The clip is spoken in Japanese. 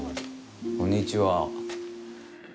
こんにちは。